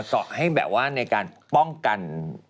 เจาะให้แบบว่าในการป้องกัน